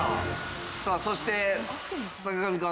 さあそして坂上くん